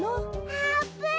あーぷん。